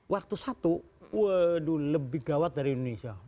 waktu satu waduh lebih gawat dari indonesia